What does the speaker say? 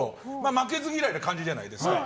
負けず嫌いな感じじゃないですか。